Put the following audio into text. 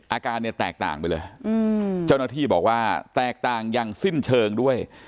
อาการเนี่ยแตกต่างไปเลยเจ้าหน้าที่บอกว่าแตกต่างอย่างสิ้นเชิงด้วย